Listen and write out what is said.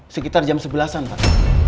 sekitar jam sebelas an pak